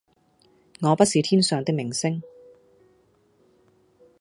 我不是天上的明星